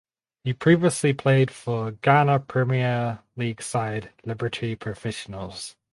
He previously played for Ghana Premier League side Liberty Professionals.